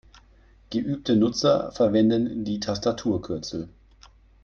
Geübte Nutzer verwenden die Tastaturkürzel.